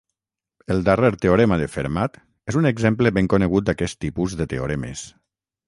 El darrer teorema de Fermat és un exemple ben conegut d'aquest tipus de teoremes.